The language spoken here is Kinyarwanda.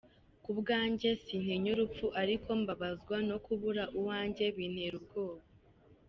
Ku bwanjye sintinya urupfu ariko mbabazwa no kubura uwanjye, bintera ubwoba.